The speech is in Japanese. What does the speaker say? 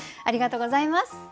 ありがとうございます。